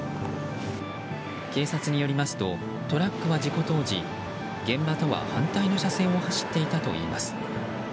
警察によりますとトラックは事故当時現場とは反対の車線を走っていたといいます。